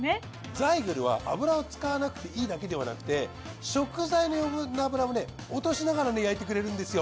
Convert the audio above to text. ザイグルは油を使わなくていいだけではなくて食材の余分な脂もね落としながら焼いてくれるんですよ。